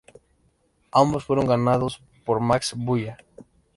Ambos fueron ganados por Max Bulla.